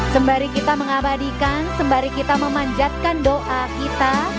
sembari kita mengabadikan sembari kita memanjatkan doa kita